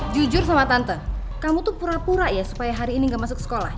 jujur sama tante kamu tuh pura pura ya supaya hari ini gak masuk sekolah